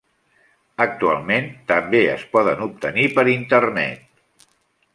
Actualment es poden obtenir per internet també.